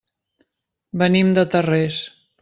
Venim de Tarrés.